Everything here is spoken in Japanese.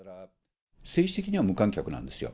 政治的には無観客なんですよ。